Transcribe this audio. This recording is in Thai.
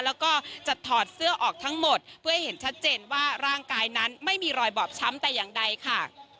แล้วก็จะถอดเสื้อออกทั้งหมดเพื่อให้เห็นชัดเจนว่าร่างกายนั้นไม่มีรอยบอบช้ำแต่อย่างใดค่ะ